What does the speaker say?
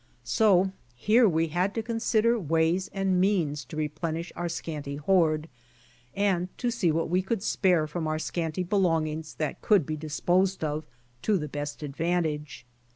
So here we had to consider ways and means to replenish our scanty hoard, and to see what we could spare from our A SAI.E OF GLASSWARE 59 scanty belongings that could be disposed of to the best advantage.